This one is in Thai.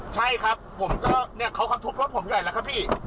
ใช่ครับเขาก็ทุบรถผมใหญ่แล้วครับพี่